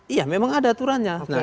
iya memang ada aturannya